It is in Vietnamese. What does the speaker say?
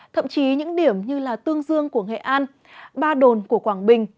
thậm chí những điểm như tương dương của nghệ an ba đồn của quảng bình